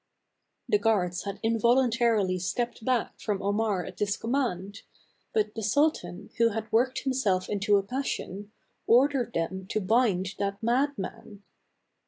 The guards had involuntarily stepped back from Omar at this command ; but the sultan, who had worked himself into a passion, ordered them to bind that madman.